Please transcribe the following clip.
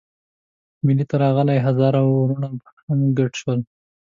مېلې ته راغلي هزاره وروڼه هم ګډ شول.